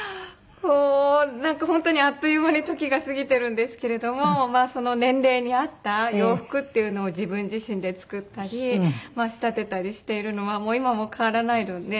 なんか本当にあっという間に時が過ぎてるんですけれどもその年齢に合った洋服っていうのを自分自身で作ったり仕立てたりしているのはもう今も変わらないので。